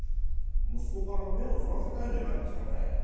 息子から目をそらせたいんじゃないんですかね？